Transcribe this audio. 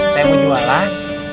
saya mau jual lah